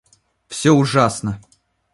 Всё ужасно